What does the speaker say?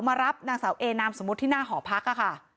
มารับนางสาวเอนามสมมุติที่หน้าหอพักค่ะ